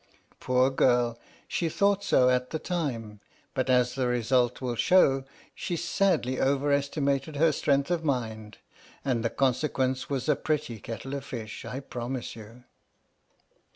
Poor girl, she thought so at the time, but as the re sult will show, she sadly over estimated her strength of mind, and the consequence was a pretty kettle of fish, I promise you!